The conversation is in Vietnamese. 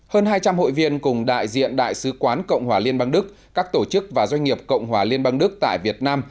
hơn hai trăm linh hội viên cùng đại diện đại sứ quán cộng hòa liên bang đức các tổ chức và doanh nghiệp cộng hòa liên bang đức tại việt nam